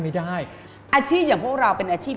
ไม่ได้อาชีพอย่างพวกเราเป็นอาชีพ